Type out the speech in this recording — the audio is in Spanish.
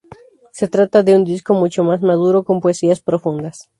Se trata de un disco mucho más maduro, con poesías profundas.